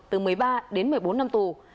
từ một mươi ba đến một mươi bốn năm tù